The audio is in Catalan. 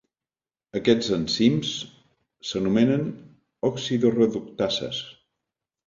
Aquests enzims s'anomenen oxidoreductases.